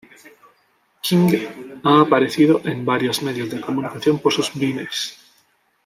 King ha aparecido en varios medios de comunicación por sus Vines.